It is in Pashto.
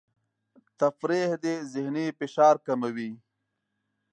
تفریح د ذهني فشار کموي.